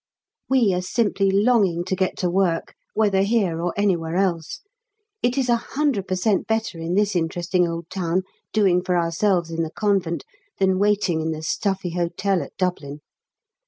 We are simply longing to get to work, whether here or anywhere else; it is 100 per cent better in this interesting old town doing for ourselves in the Convent than waiting in the stuffy hotel at Dublin.